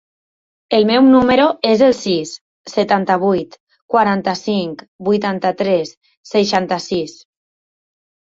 El meu número es el sis, setanta-vuit, quaranta-cinc, vuitanta-tres, seixanta-sis.